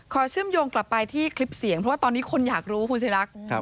เชื่อมโยงกลับไปที่คลิปเสียงเพราะว่าตอนนี้คนอยากรู้คุณศิรักษ์